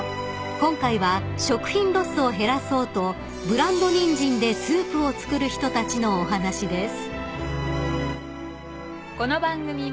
［今回は食品ロスを減らそうとブランドニンジンでスープを作る人たちのお話です］